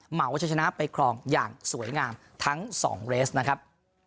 เหมาจะชนะไปครองอย่างสวยงามทั้ง๒เรสนะครับ